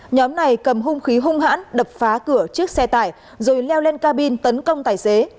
nhóm này cầm hung khí hung hãn đập phá cửa chiếc xe tải rồi leo lên cabin tấn công tài xế